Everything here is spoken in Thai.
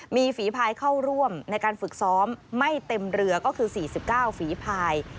มีฝีภายเข้าร่วมในการฝึกซ้อมไม่เต็มเรือก็คือ๔๙ฝีภาย